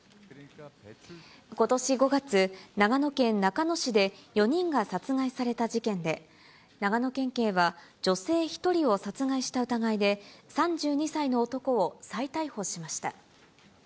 ことし５月、長野県中野市で４人が殺害された事件で、長野県警は、女性１人を殺害した疑いで、３２歳の男を再逮捕しました。